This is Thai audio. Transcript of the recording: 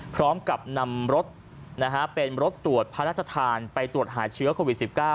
พร้อมกับนำรถเป็นรถตรวจพระราชทานไปตรวจหาเชื้อโควิด๑๙